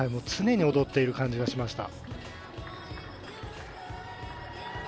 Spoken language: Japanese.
常に踊っている感じがしました。